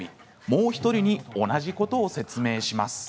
もう１人に同じことを説明します。